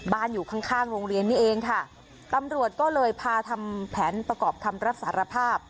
อยู่ข้างข้างโรงเรียนนี่เองค่ะตำรวจก็เลยพาทำแผนประกอบคำรับสารภาพ